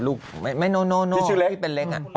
ที่ชื่อเล็ก